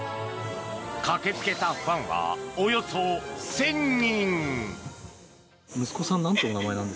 駆けつけたファンはおよそ１０００人。